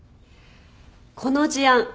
この事案